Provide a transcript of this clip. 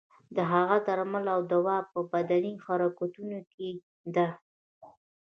د هغه درمل او دوا په بدني حرکتونو کې ده.